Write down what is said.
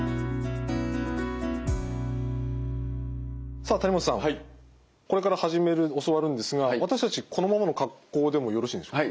さあ谷本さんこれから教わるんですが私たちこのままの格好でもよろしいんでしょうか？